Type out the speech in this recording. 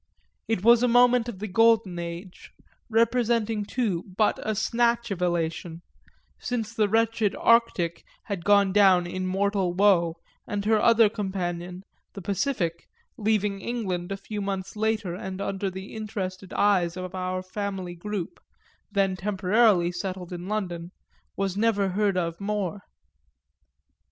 It was a moment of the golden age representing too but a snatch of elation, since the wretched Arctic had gone down in mortal woe and her other companion, the Pacific, leaving England a few months later and under the interested eyes of our family group, then temporarily settled in London, was never heard of more.